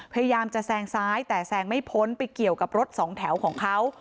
พยายามจะแซงซ้ายแต่แซงไม่พ้นไปเกี่ยวกับรถสองแถวของเขา